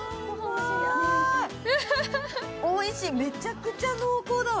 おいしい、めちゃくちゃ濃厚だわ。